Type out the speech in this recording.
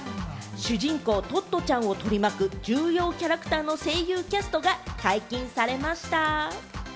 主人公・トットちゃんを取り巻く重要キャラクターの声優キャストが解禁されました。